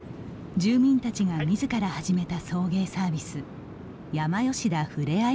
ことし４月、住民たちがみずから始めた送迎サービス山吉田ふれあい